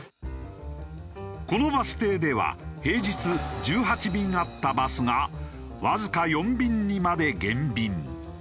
このバス停では平日１８便あったバスがわずか４便にまで減便。